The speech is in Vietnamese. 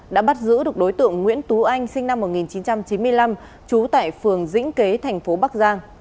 đã bắt giữ được đối tượng nguyễn tú anh sinh năm một nghìn chín trăm chín mươi năm trú tại phường dĩnh kế thành phố bắc giang